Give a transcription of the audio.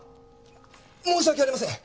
申し訳ありません。